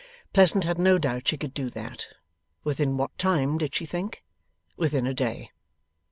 Pleasant had no doubt she could do that. Within what time, did she think? Within a day.